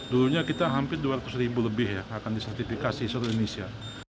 dulunya kita hampir dua ratus ribu lebih ya akan disertifikasi seluruh indonesia